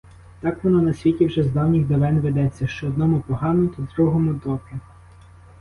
Так воно на світі вже з давніх-давен ведеться: що одному погано, то другому добре.